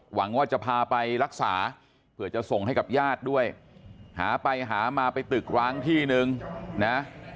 หวังว่าจะพาไปรักษาเผื่อจะส่งให้กับญาติด้วยหาไปหามาไปตึกร้างที่นึงนะ